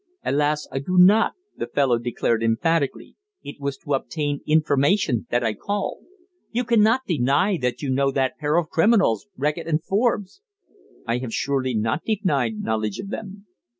"Alas! I do not," the fellow declared emphatically. "It was to obtain information that I called." "You cannot deny that you know that pair of criminals, Reckitt and Forbes?" "I have surely not denied knowledge of them!"